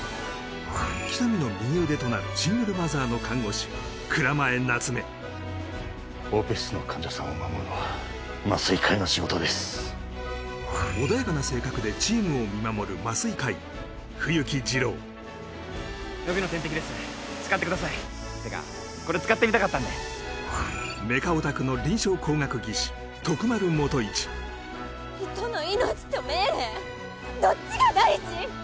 喜多見の右腕となるシングルマザーのオペ室の患者さんを守るのは麻酔科医の仕事です穏やかな性格でチームを見守る予備の点滴です使ってくださいてかこれ使ってみたかったんでメカオタクの人の命と命令どっちが大事？